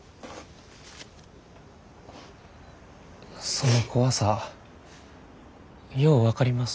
その怖さよう分かります。